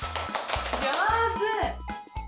上手。